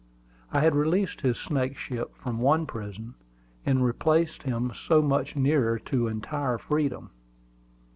I had released his snakeship from one prison, and placed him so much nearer to entire freedom.